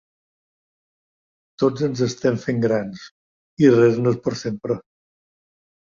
Tots ens estem fent grans, i res no és per sempre.